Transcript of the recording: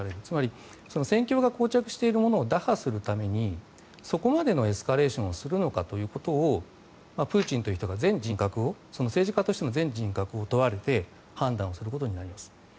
つまり戦況がこう着しているものを打破するためにそこまでのエスカレーションをするのかということをプーチンという人が政治家としての全人格を問われて判断をすることになります。